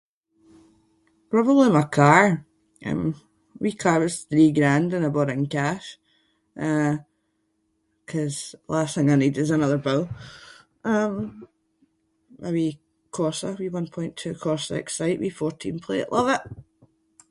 Probably my car. Um wee car was three grand and I bought it in cash uh ‘cause last thing I need is another bill. Um my wee Corsa, wee one point two Corsa Excite, wee fourteen plate- love it!